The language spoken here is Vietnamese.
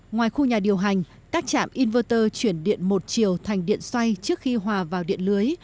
ngoài khu nhà điều hành các trạm inverter chuyển điện một chiều thành điện xoay trước khi hòa vào điện lưới